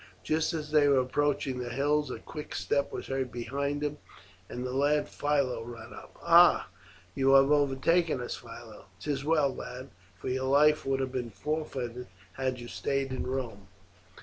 Just as they were approaching the hills a quick step was heard behind them, and the lad Philo ran up. "Ah, you have overtaken us, Philo! 'tis well, lad, for your life would have been forfeited had you stayed in Rome.